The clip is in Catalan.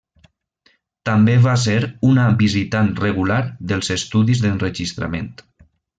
També va ser una visitant regular dels estudis d'enregistrament.